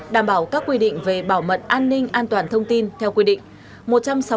đảm bảo các quy định về bảo mật an ninh an toàn thông tin theo quy định